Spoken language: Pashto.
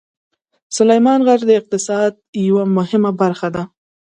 سلیمان غر د اقتصاد یوه مهمه برخه ده.